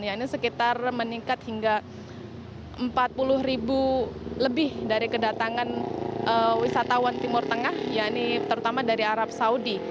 ini sekitar meningkat hingga empat puluh ribu lebih dari kedatangan wisatawan timur tengah terutama dari arab saudi